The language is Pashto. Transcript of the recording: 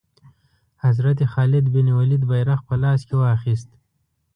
حضرت خالد بن ولید بیرغ په لاس کې واخیست.